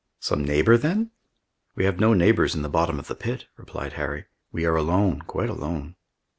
"Some neighbor, then?" "We have no neighbors in the bottom of the pit," replied Harry. "We are alone, quite alone."